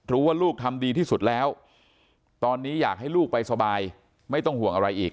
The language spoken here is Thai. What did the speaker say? ลูกทำดีที่สุดแล้วตอนนี้อยากให้ลูกไปสบายไม่ต้องห่วงอะไรอีก